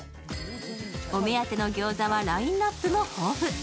お目当てのギョーザはラインナップも豊富。